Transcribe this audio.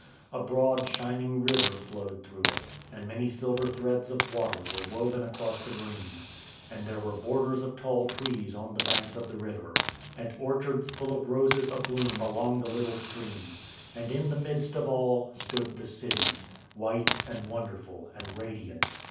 A broad, shining river flowed through it, and many silver threads of water were woven across the green; and there were borders of tall trees on the banks of the river, and orchards full of roses abloom along the little streams, and in the midst of all stood the city, white and wonderful and radiant.